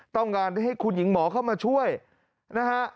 ต้องการให้คุณหญิงหมอเข้ามาช่วยนะฮะ